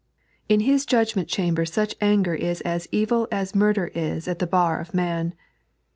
In His judgment<!hamber such anger is as evil as murder is at the bar of man.